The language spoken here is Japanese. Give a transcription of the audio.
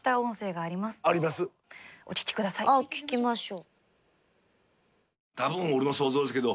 ああ聞きましょう。